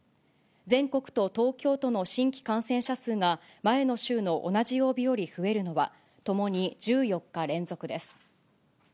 全国と東京都の新規感染者数が前の週の同じ曜日より増えるのは、ともに１４日連続です。